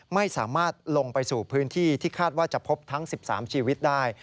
ไม่สามารถลงไปสู่พื้นที่ที่คาดว่าจะพบทั้ง๑๓ชีวิตได้